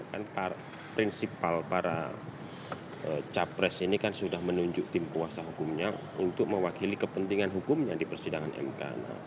kan prinsipal para capres ini kan sudah menunjuk tim kuasa hukumnya untuk mewakili kepentingan hukumnya di persidangan mk